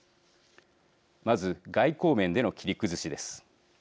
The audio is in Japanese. まず、外交面での切り崩しです。